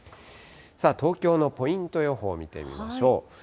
東京のポイント予報見てみましょう。